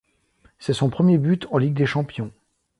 C'est son premier but en Ligue des Champions.